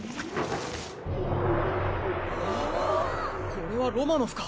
これはロマノフか？